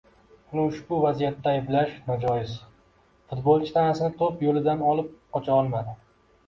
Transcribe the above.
Uni ushbu vaziyatda ayblash nojoiz, futbolchi tanasini to‘p yo‘lidan olib qocha olmadi.